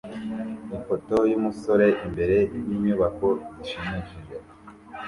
Ifoto yumusore imbere yinyubako zishimishije